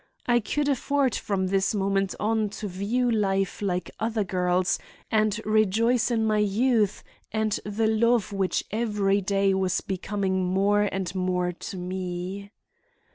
I could afford from this moment on to view life like other girls and rejoice in my youth and the love which every day was becoming more and more to me.